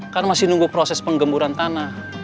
kan masih nunggu proses penggemburan tanah